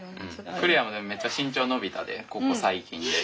來愛もでもめっちゃ身長伸びたでここ最近で。